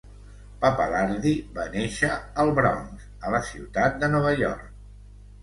Pappalardi va néixer al Bronx, a la ciutat de Nova York.